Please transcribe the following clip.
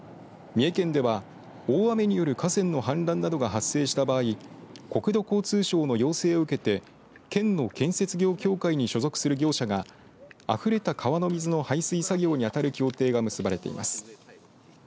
三重県では大雨による河川の氾濫などが発生した場合国土交通省の要請を受けて県の建設業協会に所属する業者があふれた川の水の排水作業にあたる協定が結ばれています。